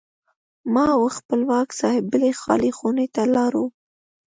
ما او خپلواک صاحب بلې خالي خونې ته لاړو.